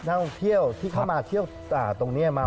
นั่งเที่ยวที่เข้ามา